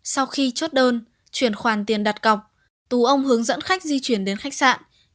sau khi chốt đơn chuyển khoản tiền đặt cọc tù ông hướng dẫn khách di chuyển đến khách sạn